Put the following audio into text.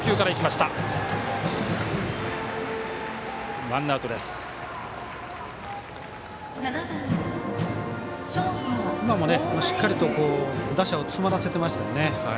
しっかりと打者を詰まらせてましたよね。